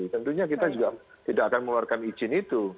tentunya kita juga tidak akan mengeluarkan izin itu